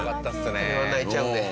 あれは泣いちゃうね。